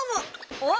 おっ！